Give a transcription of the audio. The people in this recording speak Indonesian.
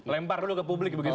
lempar dulu ke publik begitu